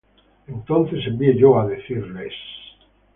Entonces envié yo á decirles: